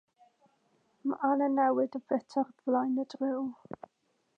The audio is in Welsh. Mae angen newid y bit ar flaen y dril.